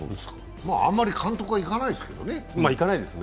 あんまり監督は行かないですよね。